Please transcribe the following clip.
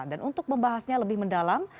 dan untuk membahasnya lebih mendalam